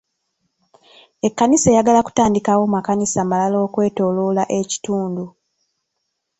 Ekkanisa eyagala kutandikawo makanisa malala okwetooloola ekitundu..